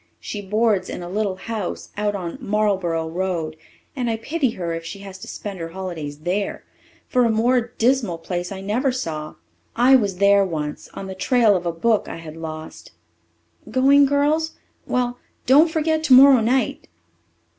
She boards in a little house out on Marlboro Road, and I pity her if she has to spend her holidays there, for a more dismal place I never saw. I was there once on the trail of a book I had lost. Going, girls? Well, don't forget tomorrow night."